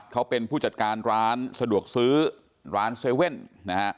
เขาเป็นผู้จัดการร้านสะดวกซื้อร้าน๗๑๑นะฮะ